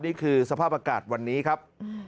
นี่คือสภาพอากาศวันนี้ครับ